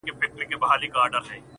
• څارنوال چي د قاضي دې کار ته ګوري,